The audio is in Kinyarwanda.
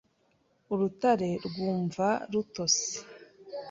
Urutare rwumva rutose .